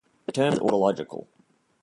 The term is autological.